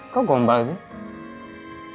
kok gombal sih